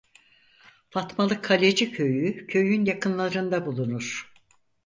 Fatmalı Kalecik Höyüğü köyün yakınlarında bulunur.